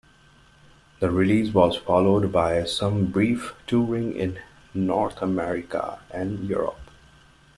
The release was followed by some brief touring in North America and Europe.